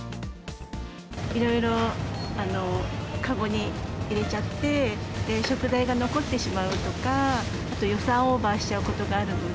いろいろ籠に入れちゃって、食材が残ってしまうとか、あと予算オーバーしちゃうことがあるので、